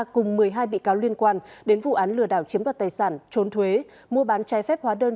cùng một mươi hai bị cáo liên quan đến vụ án lừa đảo chiếm đoạt tài sản trốn thuế mua bán trái phép hóa đơn